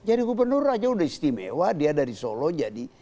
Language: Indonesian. jadi gubernur saja sudah istimewa dia dari solo jadi